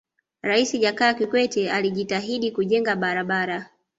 raisi jakaya kikwete alijitahidi kujenga barabara